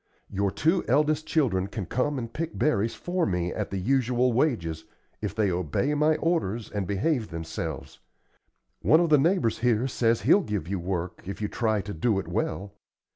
Your two eldest children can come and pick berries for me at the usual wages, if they obey my orders and behave themselves. One of the neighbors here says he'll give you work, if you try to do it well.